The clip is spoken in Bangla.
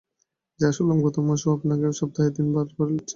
যা শুনলাম, গত মাস থেকে ও আপনাকে সপ্তাহে তিনবার করে লুটছে।